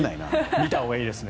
見たほうがいいですね。